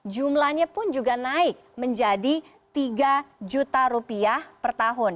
jumlahnya pun juga naik menjadi rp tiga empat juta per tahun